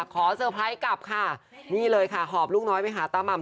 เซอร์ไพรส์กลับค่ะนี่เลยค่ะหอบลูกน้อยไปหาตาม่ำ